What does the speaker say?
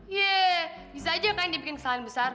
yee bisa aja kan dia bikin kesalahan besar